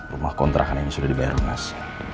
rumah kontrakan ini sudah dibayar lo mas